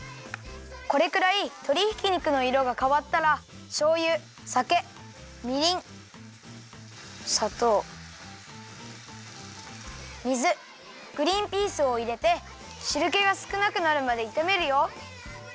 これくらいとりひき肉のいろがかわったらしょうゆさけみりんさとう水グリンピースをいれてしるけがすくなくなるまでいためるよ。